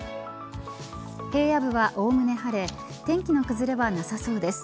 平野部はおおむね晴れ天気の崩れはなさそうです。